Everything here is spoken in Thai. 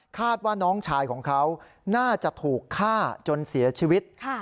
ว่าน้องชายของเขาน่าจะถูกฆ่าจนเสียชีวิต